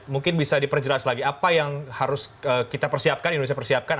mungkin bisa diperjelas lagi apa yang harus kita persiapkan indonesia persiapkan